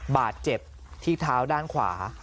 บาดเจ็บที่เท้าด้านขวา